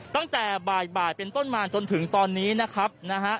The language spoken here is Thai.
ตั้งแต่บ่ายเป็นต้นมาจนถึงตอนนี้นะครับนะฮะ